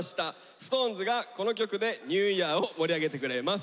ＳｉｘＴＯＮＥＳがこの曲でニューイヤーを盛り上げてくれます。